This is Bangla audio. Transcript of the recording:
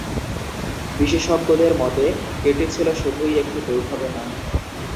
বিশেষজ্ঞদের মতে, এটি ছিল শুধুই একটি দুর্ঘটনা।